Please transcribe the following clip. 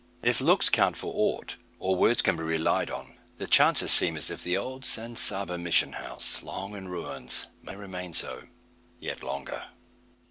If looks count for aught, or words can be relied on the chances seem as if the old San Saba mission house, long in ruins, may remain so yet longer.